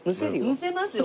むせますよ